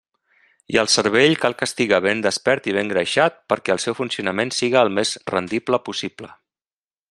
I el cervell cal que estiga ben despert i ben greixat perquè el seu funcionament siga el més rendible possible.